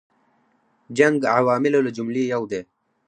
جنګ عواملو له جملې یو دی.